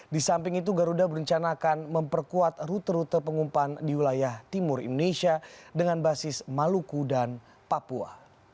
di samping itu garuda berencana akan memperkuat rute rute pengumpan di wilayah timur indonesia dengan basis maluku dan papua